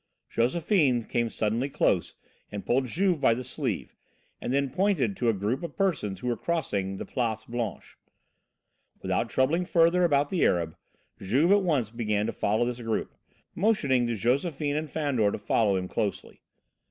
Josephine came suddenly close and pulled Juve by the sleeve, and then pointed to a group of persons who were crossing the Place Blanche. Without troubling further about the Arab, Juve at once began to follow this group, motioning to Josephine and Fandor to follow him closely.